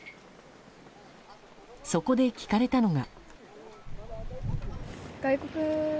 そこで聞かれたのが。